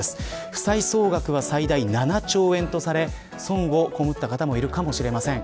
負債総額は最大７兆円とされ損を被った方もいるかもしれません。